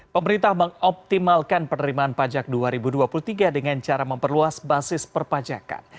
pemerintah mengoptimalkan penerimaan pajak dua ribu dua puluh tiga dengan cara memperluas basis perpajakan